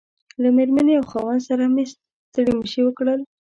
له مېرمنې او خاوند سره مې ستړي مشي وکړل.